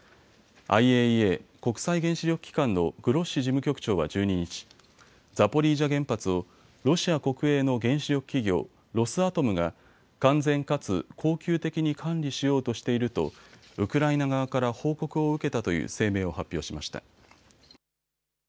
ＩＡＥＡ・国際原子力機関のグロッシ事務局長は１２日、ザポリージャ原発をロシア国営の原子力企業、ロスアトムが完全かつ恒久的に管理しようとしているとウクライナ側から報告を受けたという声明を発表しました。